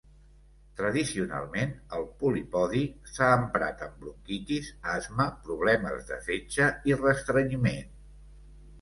Tradicionalment, el polipodi s'ha emprat en bronquitis, asma, problemes de fetge i restrenyiment.